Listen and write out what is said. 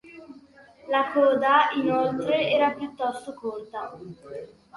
La coda, inoltre, era piuttosto corta.